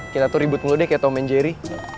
kita tuh ribut mulu deh kayak tomen jerry